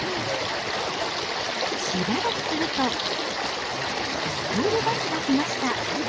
しばらくすると、スクールバスが来ました。